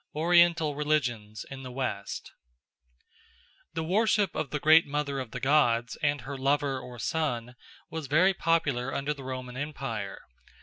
Oriental Religions in the West THE WORSHIP of the Great Mother of the Gods and her lover or son was very popular under the Roman Empire.